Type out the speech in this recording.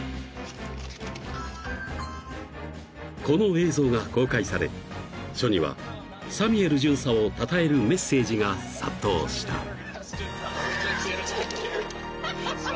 ［この映像が公開され署にはサミエル巡査をたたえるメッセージが殺到した］